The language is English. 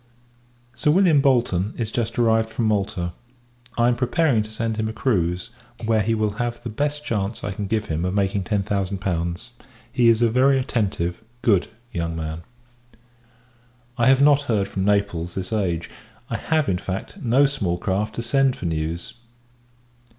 Sir William Bolton is just arrived from Malta. I am preparing to send him a cruise, where he will have the best chance I can give him of making ten thousand pounds. He is a very attentive, good, young man. I have not heard from Naples this age. I have, in fact, no small craft to send for news.